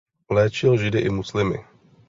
Léčil židy i muslimy.